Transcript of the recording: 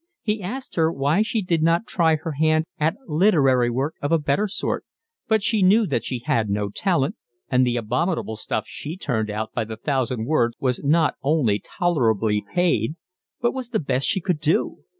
He asked her why she did not try her hand at literary work of a better sort, but she knew that she had no talent, and the abominable stuff she turned out by the thousand words was not only tolerably paid, but was the best she could do.